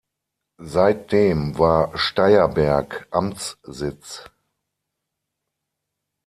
Seitdem war Steyerberg Amtssitz.